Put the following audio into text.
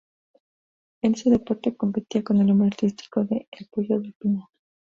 En este deporte competía con el nombre artístico de "El Pollo del Pinar".